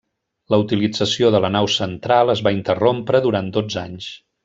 La utilització de la nau central es va interrompre durant dotze anys.